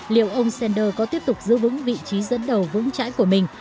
liệu ông sanders có tiếp tục giữ vững vị trí dẫn đầu vững trãi của mình